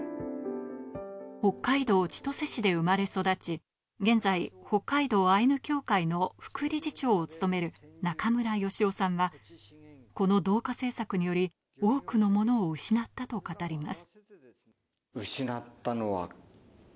北海道千歳市で生まれ育ち、現在、北海道アイヌ協会の副理事長を務める中村吉雄さんは、この同化政策により、多くのものを失ったと語ります。